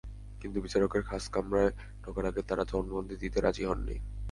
কিন্তু বিচারকের খাস কামরায় ঢোকার আগে তাঁরা জবানবন্দি দিতে রাজি হননি।